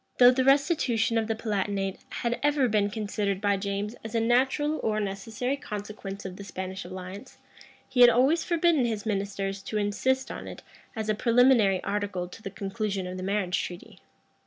Though the restitution of the Palatinate had ever been considered by James as a natural or necessary consequence of the Spanish alliance, he had always forbidden his ministers to insist on it as a preliminary article to the conclusion of the marriage treaty.